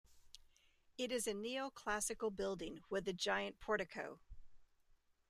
It is a neo-classical building with a giant portico.